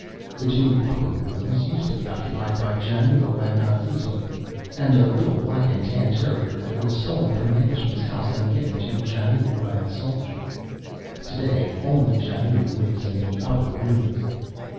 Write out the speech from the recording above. The two upper rooms used to be occupied by Janoo and Azizun and a little black and tan terrier that was stolen from an Englishman's house and given to Janoo by a soldier. To day, only Janoo lives in the upper rooms.